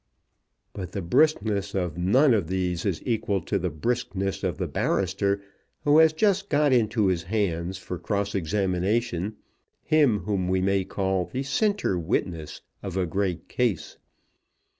But the briskness of none of these is equal to the briskness of the barrister who has just got into his hands for cross examination him whom we may call the centre witness of a great case.